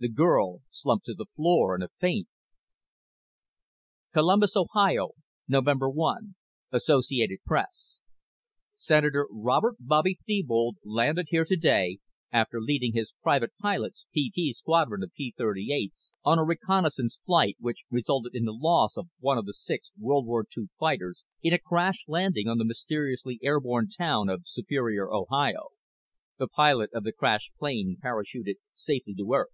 The girl slumped to the floor in a faint. _COLUMBUS, OHIO, Nov. 1 (AP) Sen. Robert (Bobby) Thebold landed here today after leading his Private Pilots (PP) squadron of P 38's on a reconnaissance flight which resulted in the loss of one of the six World War II fighters in a crash landing on the mysteriously airborne town of Superior, Ohio. The pilot of the crashed plane parachuted safely to Earth.